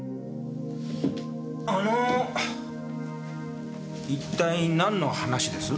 あの一体何の話です？